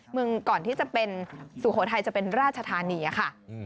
เมืองก่อนที่จะเป็นสุโขทัยจะเป็นราชธานีค่ะ